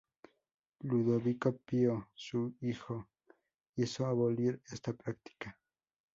Ludovico Pío, su hijo hizo abolir esta práctica.